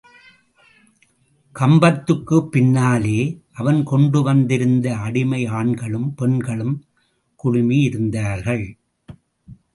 கம்பத்துக்குப் பின்னாலே அவன் கொண்டு வந்திருந்த அடிமை ஆண்களும் பெண்களும் குழுமி இருந்தார்கள்.